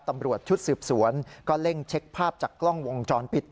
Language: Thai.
ตำรวจชุดสืบสวนก็เร่งเช็คภาพจากกล้องวงจรปิด